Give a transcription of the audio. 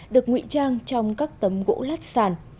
được nguyện trang trong các tấm gỗ lát sàn